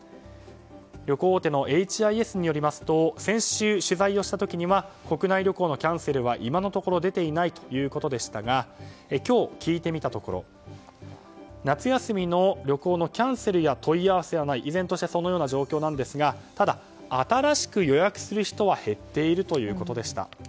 旅行大手のＨＩＳによりますと先週取材をした時には国内旅行のキャンセルは今のところ出ていないということでしたが今日聞いてみたところ夏休みの旅行のキャンセルや問い合わせはないと依然としてそのような状況なんですがただ、新しく予約する人は減っているということでした。